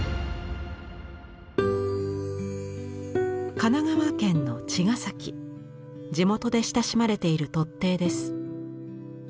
神奈川県の茅ヶ崎地元で親しまれている突堤です。